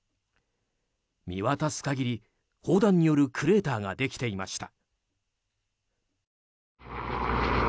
見渡す限り砲弾によるクレーターができていました。